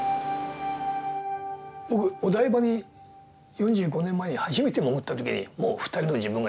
僕お台場に４５年前に初めて潜った時もう二人の自分がいたんですよ。